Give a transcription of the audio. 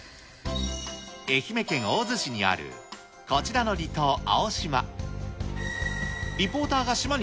愛媛県大洲市にあるこちらの離島、青島。